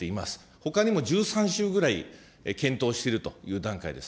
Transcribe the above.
ほかにも１３州ぐらい検討しているという段階です。